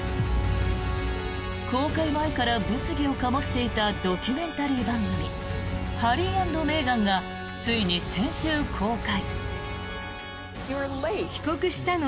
公開前から物議を醸していたドキュメンタリー番組「ハリー＆メーガン」がついに先週公開。